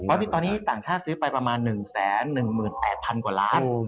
ตอนนี้ต่างชาติซื้อไปประมาณ๑๑๘๐๐๐กว่าล้าน